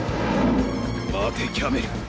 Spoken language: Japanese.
待てキャメル